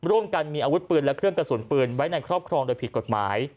ร่วมกันมีอาวุธปืนและเครื่องกระสุนปืนไว้ในครอบครองโดยผิดกฎหมาย